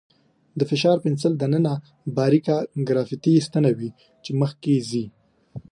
د فشاري پنسل دننه باریکه ګرافیتي ستنه وي چې مخکې ځي.